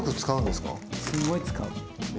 すごい使う。